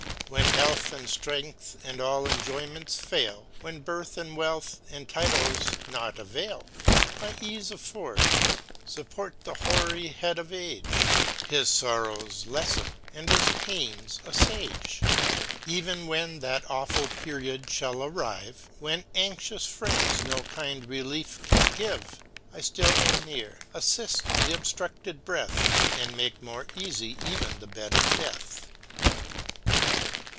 When health, and ftrength, and all enjoyments* ail 3 When birth and wealth, and titles nought avail) I eafe afford â fupport tbe hoary head of age, His forrows leflen, and his pains afliiagc. Ev'n when that aweful period /hall arrive, When anxious friends no kind relief can givt f I (till am near, aflift the obftructed breath, And make more eafy ev'n the bed of death.